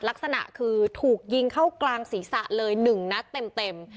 ลักษณะคือถูกยิงเข้ากลางศรีสะเลยหนึ่งนะเต็ม